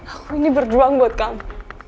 aku ini berjuang buat kamu